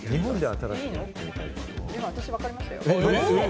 私、分かりましたよ。